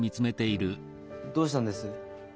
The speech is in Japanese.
どうしたんです？